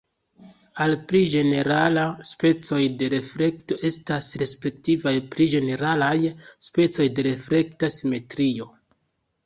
Al pli ĝenerala specoj de reflekto estas respektivaj pli ĝeneralaj specoj de reflekta simetrio.